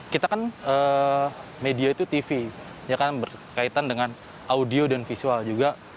kita kan media itu tv ya kan berkaitan dengan audio dan visual juga